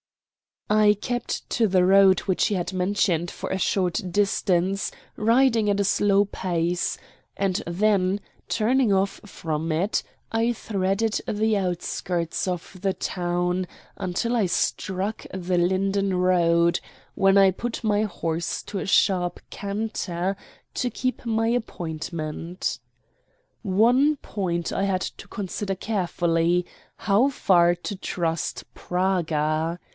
I kept to the road which he had mentioned for a short distance, riding at a slow pace, and then, turning off from it, I threaded the outskirts of the town until I struck the Linden road, when I put my horse to a sharp canter to keep my appointment. One point I had to consider carefully how far to trust Praga.